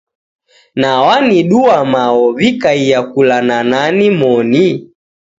Na waniduwa mao wikaia kula na nani moni.